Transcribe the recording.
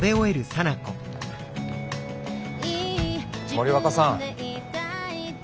森若さん。